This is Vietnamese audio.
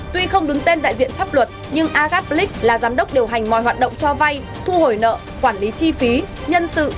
tuy không đứng tên đại diện pháp luật nhưng agat blix là giám đốc điều hành mọi hoạt động cho vay thu hồi nợ quản lý chi phí nhân sự